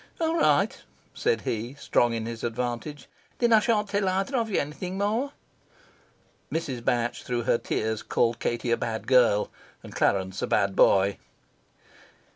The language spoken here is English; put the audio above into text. "All right," said he, strong in his advantage. "Then I shan't tell either of you anything more." Mrs. Batch through her tears called Katie a bad girl, and Clarence a bad boy.